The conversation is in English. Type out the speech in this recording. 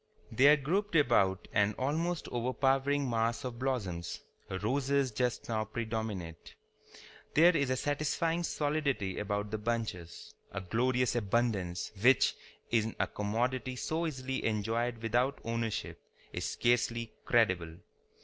They are grouped about an almost overpowering mass of blooms. Roses just now predominate. There is a satisfying solidity about the bunches, a glorious abundance which, in a commodity so easily enjoyed without ownership, is scarcely credible.